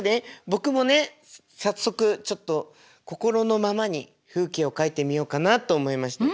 僕もね早速ちょっと心のままに風景を描いてみようかなと思いまして。